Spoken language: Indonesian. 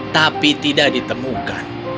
tapi tidak ditemukan